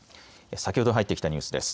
先ほど入ってきたニュースです。